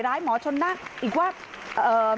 ลาออกจากหัวหน้าพรรคเพื่อไทยอย่างเดียวเนี่ย